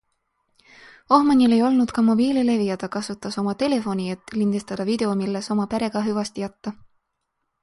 Ohmanil ei olnud ka mobiililevi ja ta kasutas oma telefoni, et lindistada video, milles oma perega hüvasti jätta.